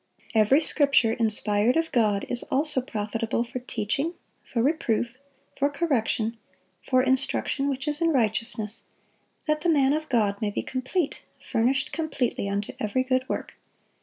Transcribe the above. "Every scripture inspired of God is also profitable for teaching, for reproof, for correction, for instruction which is in righteousness; that the man of God may be complete, furnished completely unto every good work."